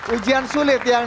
ujian sulit yang